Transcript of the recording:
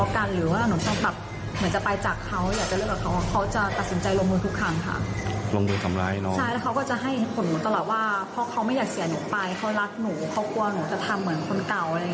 คุณผมตลอดว่าเพราะเขาไม่อยากเสียหนูไปเขารักหนูเขากลัวหนูจะทำเหมือนคนเก่า